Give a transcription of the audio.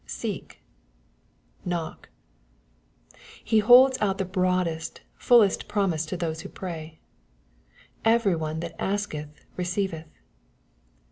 ''" Seek/' " Knock." He holds out the broadest, fullest promise to those who pray. "Every one that asketh receiveth."